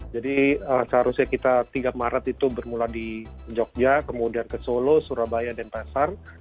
jadi seharusnya kita tiga maret itu bermula di jogja kemudian ke solo surabaya dan pasar